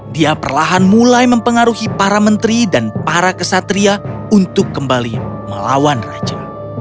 dia perlahan mulai mempengaruhi para menteri dan para kesatria untuk kembali melawan raja